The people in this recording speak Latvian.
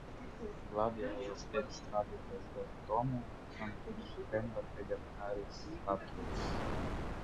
Gladiolas tiek stādītas gan Tomē, gan Rembatē, gan arī Sātos.